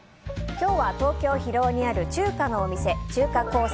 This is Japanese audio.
今日は東京・広尾にある中華のお店中華香彩